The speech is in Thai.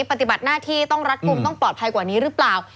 ปฏิบัติหน้าที่ต้องรัดกลุ่มต้องปลอดภัยกว่านี้หรือเปล่า